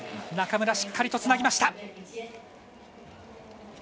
中村、しっかりとつなぎました。